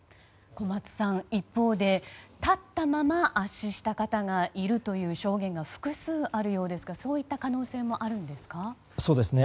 小松さん、一方で立ったまま圧死した方がいるという証言が複数あるようですがそういった可能性はあるんですか？